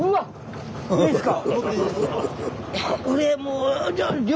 いいですか！